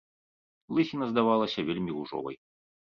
Лысіна здавалася вельмі ружовай.